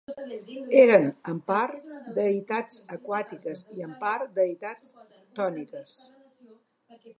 Eren en part, deïtats aquàtiques i en part deïtats ctòniques.